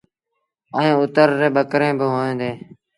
ائيٚݩ اُتر ريٚݩ ٻڪريݩ با هوئين ديٚݩ۔